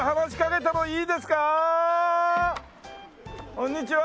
こんにちは！